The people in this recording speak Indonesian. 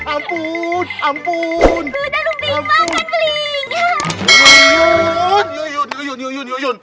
amputer ampun alan berimbankan belinya